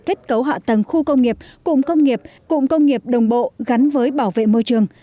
kết cấu hạ tầng khu công nghiệp cụm công nghiệp cụm công nghiệp đồng bộ gắn với bảo vệ môi trường